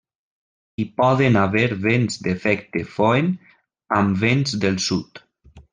Hi poden haver vents d'efecte Foehn amb vents del sud.